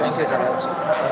ini saya jangan lupa